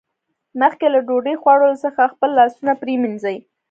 مخکې له ډوډۍ خوړلو څخه خپل لاسونه پرېمینځئ